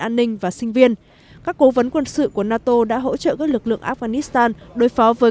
an ninh và sinh viên các cố vấn quân sự của nato đã hỗ trợ các lực lượng afghanistan đối phó với